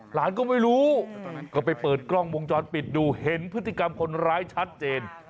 หลานก็ไม่รู้ก็ไปเปิดกล้องวงจรปิดดูเห็นพฤติกรรมคนร้ายชัดเจน